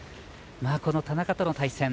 この田中との対戦。